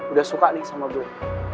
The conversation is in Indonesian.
udah suka nih sama bro